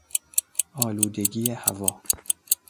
آلودگی هوا